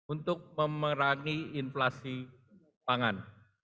untuk memerangi inflasi pangan